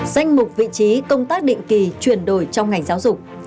danh mục vị trí công tác định kỳ chuyển đổi trong ngành giáo dục